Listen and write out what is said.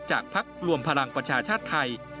จากพักรวมพลังประชาชาชน์ไทย